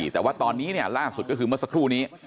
แต่ว่าตอนนี้ล่าสุดก็คือเมื่อสักครู่นี้